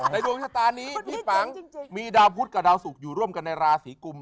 ดวงชะตานี้พี่ปังมีดาวพุทธกับดาวสุกอยู่ร่วมกันในราศีกุม